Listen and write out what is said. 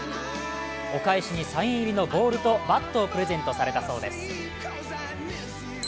お返しにサイン入りのボールとバットをプレゼントされたそうです。